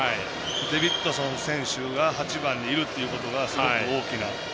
デビッドソン選手が８番にいるということがすごく大きな。